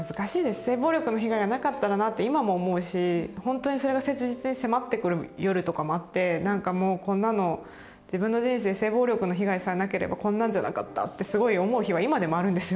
性暴力の被害がなかったらなって今も思うしほんとにそれが切実に迫ってくる夜とかもあってなんかもう「自分の人生性暴力の被害さえなければこんなんじゃなかった」ってすごい思う日は今でもあるんですよ。